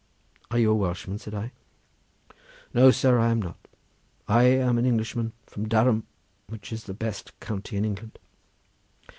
"Are you a Welshman?" said I. "No, sir! I am not; I am an Englishman from Durham, which is the best county in England."